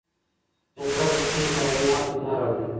جګړه د ستونزو دایمي حل نه راوړي.